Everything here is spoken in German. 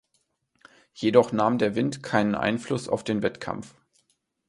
Jedoch nahm der Wind keinen Einfluss auf den Wettkampf.